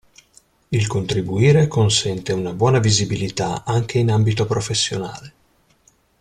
Il contribuire consente una buona visibilità anche in ambito professionale.